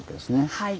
はい。